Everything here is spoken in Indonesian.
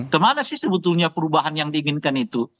kemana sih sebetulnya perubahan yang diinginkan itu